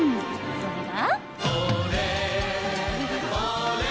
それが。